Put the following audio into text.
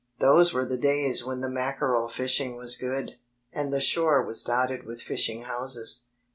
Those were the days when the mackerel fishing was good, and the shore was doited with fishing houses.